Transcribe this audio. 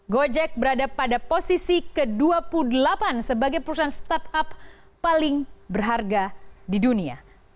gojek berada pada posisi ke dua puluh delapan sebagai perusahaan startup paling berharga di dunia